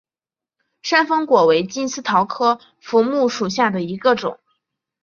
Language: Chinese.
山凤果为金丝桃科福木属下的一个种。